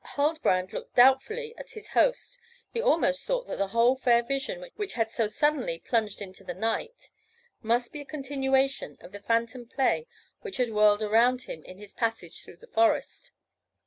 Huldbrand looked doubtfully at his host; he almost thought that the whole fair vision which had so suddenly plunged into the night, must be a continuation of the phantom play which had whirled around him in his passage through the forest.